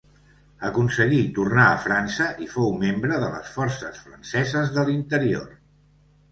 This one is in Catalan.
Aconseguí tornar a França i fou membre de les Forces Franceses de l'Interior.